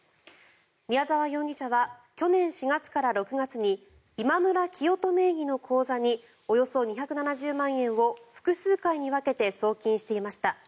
宮沢容疑者は去年４月から６月に「イマムラキヨト」名義の口座におよそ２７０万円を複数回に分けて送金していました。